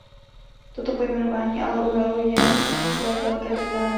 Toto pojmenování ale ujalo jen ve Velké Británii.